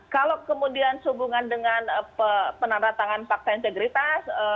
karena terhadap hubungan dengan peneratangan fakta integritas